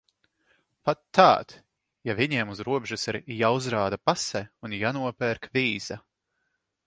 Pat tad, ja viņiem uz robežas ir jāuzrāda pase un jānopērk vīza.